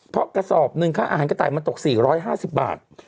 เพราะกระสอบหนึ่งค่าอาหารกระต่ายมันตก๔๕๐บาท